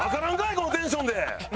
このテンションで！